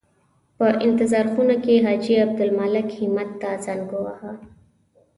په انتظار خونه کې حاجي عبدالمالک همت ته زنګ وواهه.